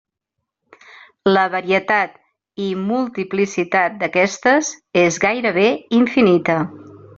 La varietat i multiplicitat d'aquestes és gairebé infinita.